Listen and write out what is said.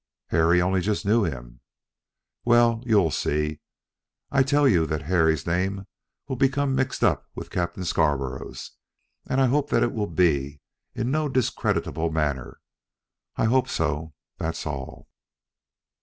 "Harry only just knew him." "Well, you'll see. I tell you that Harry's name will become mixed up with Captain Scarborough's, and I hope that it will be in no discreditable manner. I hope so, that's all."